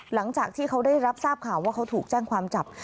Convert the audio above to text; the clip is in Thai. หลังจากที่เขาได้รับทราบข่าวว่าเขาถูกแจ้งความจับ